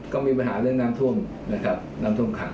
ก็มีปัญหาเรื่องน้ำทุ่มน้ำทุ่มขัง